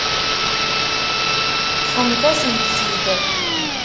Ṭṭfemt-asent-tt-id.